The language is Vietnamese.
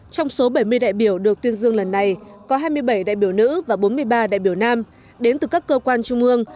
trong số bảy mươi đại biểu được tuyên dương lần này có hai mươi bảy đại biểu nữ và bốn mươi ba đại biểu nam đến từ các cơ quan trung ương